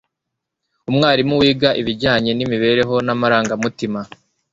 umwarimu wiga ibijyanye nimibereho namarangamutima